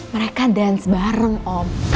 mereka dans bareng om